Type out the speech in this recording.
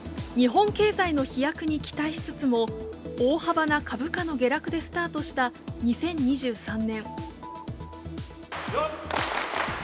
日本経済の飛躍に期待しつつも大幅な株価の下落でスタートした２０２３年。